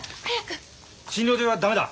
診療所は駄目だ。